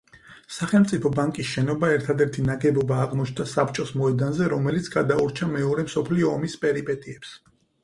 სახელმწიფო ბანკის შენობა ერთადერთი ნაგებობა აღმოჩნდა საბჭოს მოედანზე, რომელიც გადაურჩა მეორე მსოფლიო ომის პერიპეტიებს.